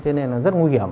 thế nên là rất nguy hiểm